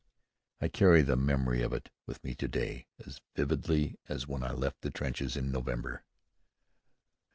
I carry the memory of it with me to day as vividly as when I left the trenches in November.